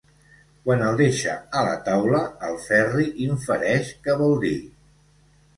Quan el deixa a la taula el Ferri infereix què vol dir.